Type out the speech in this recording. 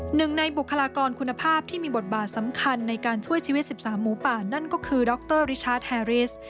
หนึ่งในบุคลากรคุณภาพที่มีบทบาทสำคัญในการช่วยชีวิต๑๓หมูป่านั่นก็คือดรริชาร์แทริส